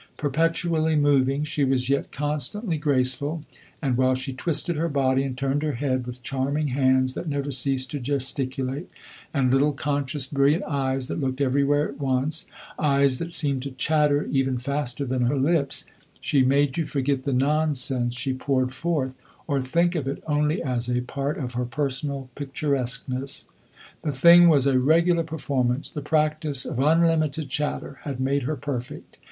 Perpetually moving, she was yet constantly graceful, and while she twisted her body and turned her head, with charming hands that never ceased to gesticulate, and little, conscious, brilliant eyes that looked everywhere at once eyes that seemed to chatter even faster than her lips she made you forget the nonsense she poured forth, or think of it only as a part of her personal picturesqueness. The thing was a regular performance; the practice of unlimited chatter had made her perfect.